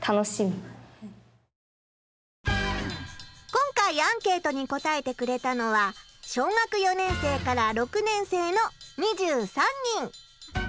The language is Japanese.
今回アンケートに答えてくれたのは小学４年生から６年生の２３人。